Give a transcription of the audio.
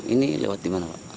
ini lewat di mana pak